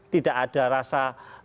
tidak ada rasa